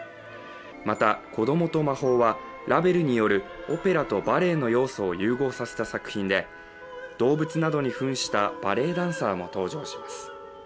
また「子どもと魔法」は、ラヴェルによるオペラとバレエの要素を融合させた作品で動物などにふんしたバレエダンサーも登場します。